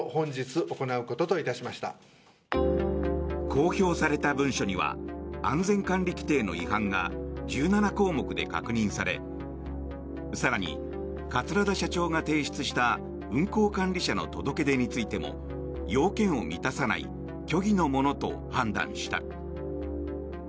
公表された文書には安全管理規程の違反が１７項目で確認され更に、桂田社長が提出した運航管理者の届け出についても要件を満たさない虚偽のものと判断した。